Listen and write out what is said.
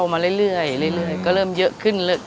มีวันหยุดเอ่ออาทิตย์ที่สองของเดือนค่ะ